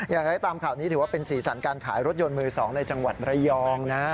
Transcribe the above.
อย่างไรตามข่าวนี้ถือว่าเป็นสีสันการขายรถยนต์มือ๒ในจังหวัดระยองนะ